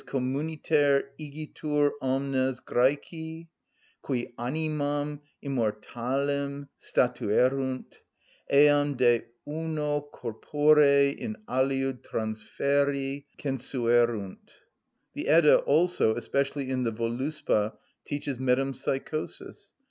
(Communiter igitur omnes Græci, qui animam immortalem statuerunt, eam de uno corpore in aliud transferri censuerunt.) The "Edda" also, especially in the "Völuspá," teaches metempsychosis.